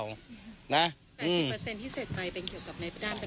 ๘๐ที่เสร็จไปเป็นเกี่ยวกับในพระด้าม